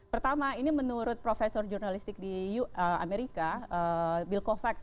pertama ini menurut profesor jurnalistik di amerika bill kovacs